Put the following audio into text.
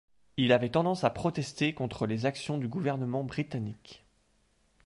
Il avait tendance à protester contre les actions du gouvernement Britannique.